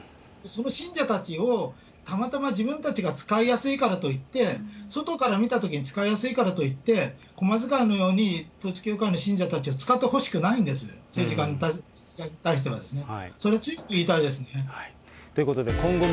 その信者たちをたまたま自分たちが使いやすいからといって、外から見たときに使いやすいからといって小間使いのように統一教会の信者たちを使ってほしくないんです、政治家に対してはですね。